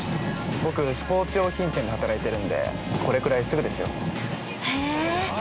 僕、スポーツ用品店で働いてるんで、これくらいすぐですよ。